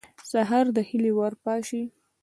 سهار د هیلې ور پاشي.